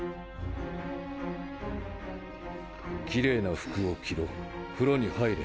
きれいな服を着ろ風呂に入れ。